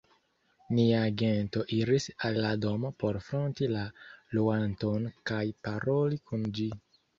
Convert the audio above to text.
nia agento iris al la domo por fronti la luanton kaj paroli kun ĝi.